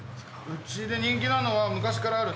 うちで人気なのは昔からある。